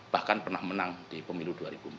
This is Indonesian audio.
bahkan pernah menang di pemilu dua ribu empat belas